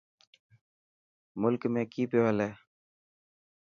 ملڪ ۾ ڪئي پيو هلي